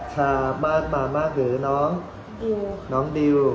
กระชามันมามากหรือน้อง